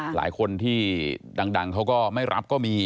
หลายคนที่ดังเขาก็ไม่รับก็มี